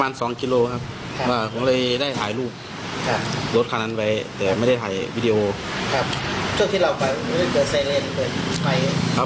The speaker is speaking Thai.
แยกไอภาพประมาณสักกี่กิโลครับ